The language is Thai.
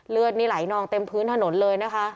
เลือดนี่ไหลนองเต็มพื้นถนนเลยนะคะ